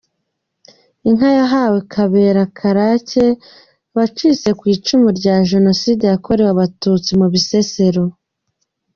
Inka yahawe Kabera Karake wacitse ku icumu rya jenosede yakorewe Abatutsi mu Bisesero.